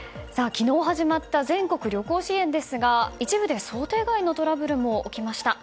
昨日始まった全国旅行支援ですが一部で想定外のトラブルも起きました。